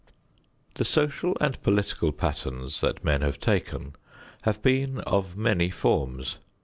The social and political patterns that men have taken have been of many forms.